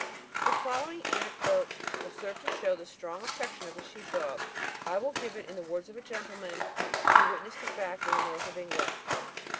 The following anecdote will serve to show the strong affection of the sheep dog; I will give it in the words of a gentleman who witnessed the fact in the north of England.